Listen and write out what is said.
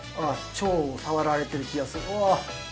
腸を触られてる気がするわあ